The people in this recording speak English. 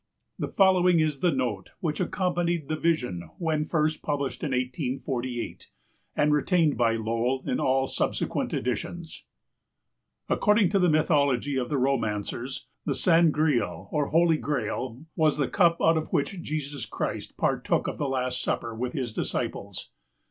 The following is the note which accompanied The Vision when first published in 1848, and retained by Lowell in all subsequent editions: "According to the mythology of the Romancers, the San Greal, or Holy Grail, was the cup out of which Jesus Christ partook of the last supper with his disciples.